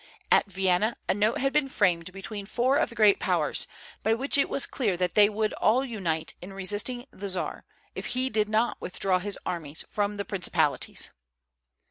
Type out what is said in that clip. At Vienna a note had been framed between four of the great Powers, by which it was clear that they would all unite in resisting the Czar, if he did not withdraw his armies from the principalities.